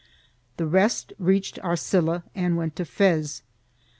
The rest reached Arcilla and went to Fez.